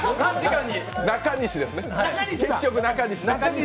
中西ですね、結局、中西。